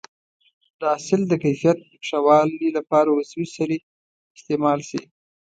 د حاصل د کیفیت ښه والي لپاره عضوي سرې استعمال شي.